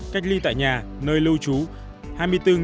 cách ly tại nhà nơi lưu trú hai mươi bốn một trăm một mươi bốn